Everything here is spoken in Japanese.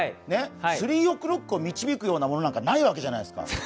スリーオクロックを導くようなものなんかないわけじゃないですか。